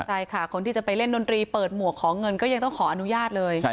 ใช่ค่ะคนที่จะไปเล่นดนตรีเปิดหมวกขอเงินก็ยังต้องขออนุญาตเลย